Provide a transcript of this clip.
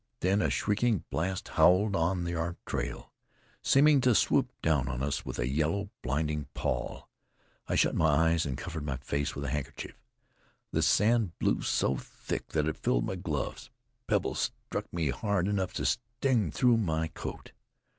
Then a shrieking blast howled on our trail, seeming to swoop down on us with a yellow, blinding pall. I shut my eyes and covered my face with a handkerchief. The sand blew so thick that it filled my gloves, pebbles struck me hard enough to sting through my coat.